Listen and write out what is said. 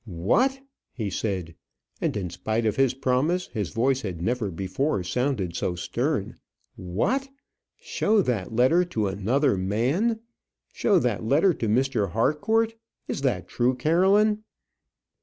"What!" he said, and in spite of his promise, his voice had never before sounded so stern, "what! show that letter to another man; show that letter to Mr. Harcourt! Is that true, Caroline?"